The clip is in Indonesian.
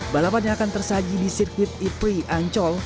balapannya akan tersaji di sirkuit ipri ancol